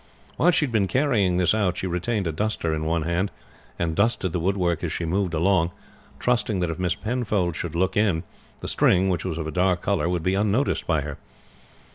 While she had been carrying this out she retained a duster in one hand, and dusted the wood work as she moved along, trusting that if Miss Penfold should look in, the string, which was of a dark color, would be unnoticed by her.